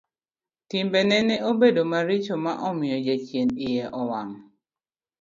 Timbe ne obedo maricho ma omiyo jachien iye owang'.